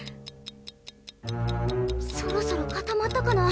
そろそろ固まったかな？